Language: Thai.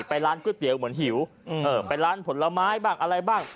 ไปร้านก๋วยเตี๋ยวเหมือนหิวไปร้านผลไม้บ้างอะไรบ้าง